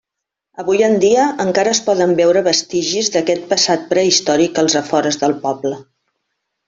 Avui en dia, encara es poden veure vestigis d'aquest passat prehistòric als afores del poble.